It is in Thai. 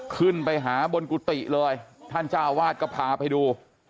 ขึ้นไปหาบนกุฏิเลยท่านเจ้าวาดก็พาไปดู